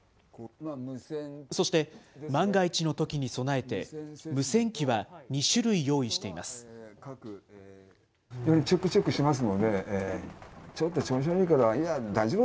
そして、万が一のときに備えて、無線機は２種類用意しています。